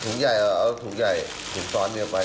ใหญ่เอาถุงใหญ่ถุงซ้อนเดียวไป